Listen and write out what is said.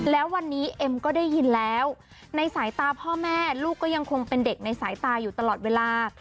แล้ววันนี้เอ็มก็ได้ยินแล้วในสายตาพ่อแม่ลูกก็ยังคงเป็นเด็กในสายตาอยู่ตลอดเวลา